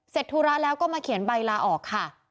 ธุระแล้วก็มาเขียนใบลาออกค่ะ